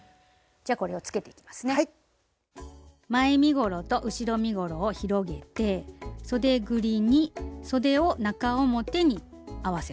前身ごろと後ろ身ごろを広げてそでぐりにそでを中表に合わせます。